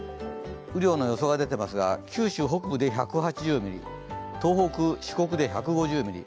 雨量の予想が出ていますが九州北部で１８０ミリ、東北、四国で１５０ミリ